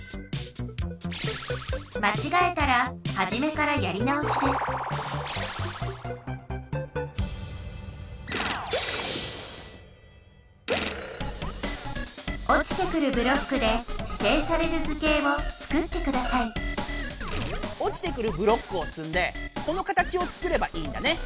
まちがえたらはじめからやり直しですおちてくるブロックでしていされる図形をつくってくださいおちてくるブロックをつんでこの形をつくればいいんだね。